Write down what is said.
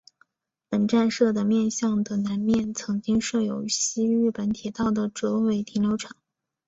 本站舍的面向的南面曾经设有西日本铁道的折尾停留场。